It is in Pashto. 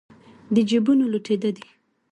د جېبونو لوټېده دي